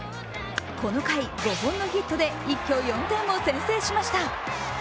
この回５本のヒットで一挙４点を先制しました。